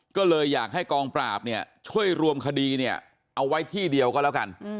ก็เลยอยากให้กองปราบเนี่ยช่วยรวมคดีเนี่ยเอาไว้ที่เดียวก็แล้วกัน